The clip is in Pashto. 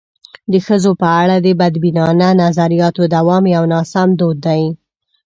د ښځو په اړه د بدبینانه نظریاتو دوام یو ناسم دود دی.